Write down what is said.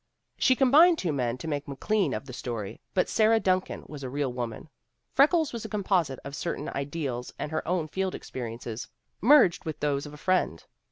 She combined two men to make'McLean of the story, but Sarah Duncan was a real woman; Freckles was a composite of certain ideals and her own field experiences, merged with those of a friend.